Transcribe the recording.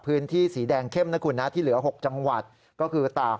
พื้นที่สีแดงเข้มนะคุณนะที่เหลือ๖จังหวัดก็คือตาก